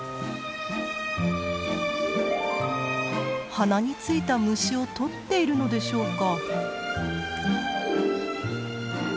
鼻に付いた虫をとっているのでしょうか。